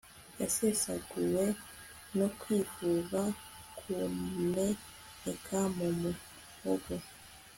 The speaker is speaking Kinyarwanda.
Yasesaguwe no kwifuza kumeneka mu muhogo